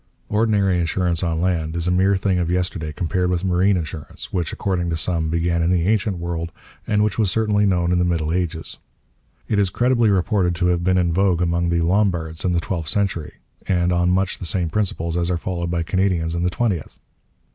Ordinary insurance on land is a mere thing of yesterday compared with marine insurance, which, according to some, began in the ancient world, and which was certainly known in the Middle Ages. It is credibly reported to have been in vogue among the Lombards in the twelfth century, and on much the same principles as are followed by Canadians in the twentieth.